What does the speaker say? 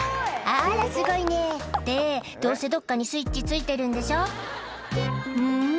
あらすごいねってどうせどっかにスイッチついてるんでしょん？